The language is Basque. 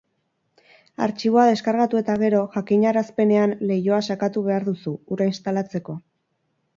Artxiboa deskargatu eta gero, jakinarazpenen leihoa sakatu behar duzu, hura instalatzeko.